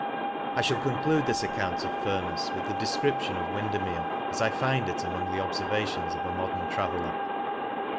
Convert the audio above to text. I mail conclude this account of Furnefs with the defcription of Windermere, as I find it among the obfervations of a modern traveller *.